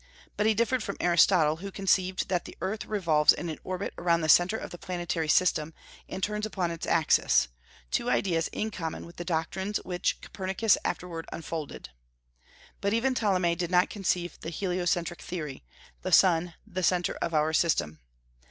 But he differed from Aristotle, who conceived that the earth revolves in an orbit around the centre of the planetary system, and turns upon its axis, two ideas in common with the doctrines which Copernicus afterward unfolded. But even Ptolemy did not conceive the heliocentric theory, the sun the centre of our system.